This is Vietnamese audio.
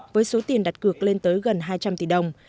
với số tiền đặt cược lên tới gần hai trăm linh tỷ đồng